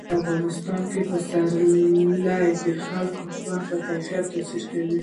په افغانستان کې پسرلی د خلکو د ژوند په کیفیت تاثیر کوي.